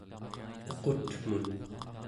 uqutmun